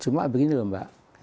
cuma begini lho mbak